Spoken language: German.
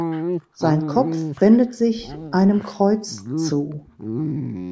Sein Kopf wendet sich einem Kreuz zu.